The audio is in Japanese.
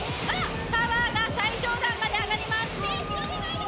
タワーが最上段まで上がります。